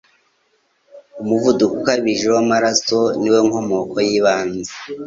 Umuvuduko ukabije w'amaraso ni wo nkomoko y'ibanze